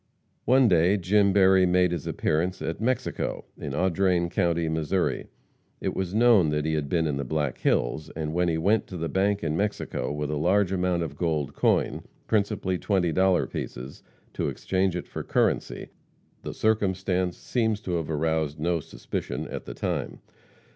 One day Jim Berry made his appearance at Mexico, in Audrain county, Missouri. It was known that he had been in the Black Hills, and when he went to the bank in Mexico with a large amount of gold coin, principally twenty dollar pieces, to exchange it for currency, the circumstance seems to have aroused no suspicion at the time.